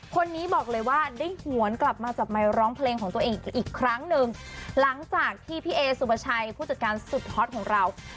คือเขาก็มันม่วนจริงนะคุณผู้ชมนะ